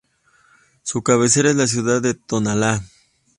Su cabecera es la ciudad de Tonalá.